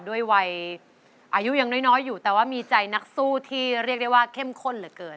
ด้วยวัยอายุยังน้อยอยู่แต่ว่ามีใจนักสู้ที่เรียกได้ว่าเข้มข้นเหลือเกิน